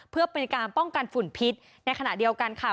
เพื่อเป็นการป้องกันฝุ่นพิษในขณะเดียวกันค่ะ